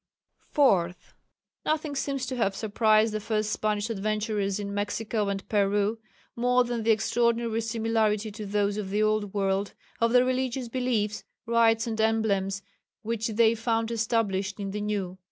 Fourth. Nothing seems to have surprised the first Spanish adventurers in Mexico and Peru more than the extraordinary similarity to those of the old world, of the religious beliefs, rites, and emblems which they found established in the new.